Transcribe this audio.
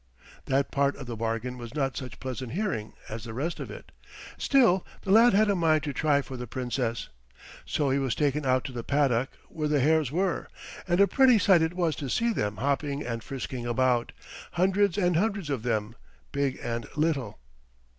That part of the bargain was not such pleasant hearing as the rest of it. Still the lad had a mind to try for the Princess. So he was taken out to the paddock where the hares were, and a pretty sight it was to see them hopping and frisking about, hundreds and hundreds of them, big and little.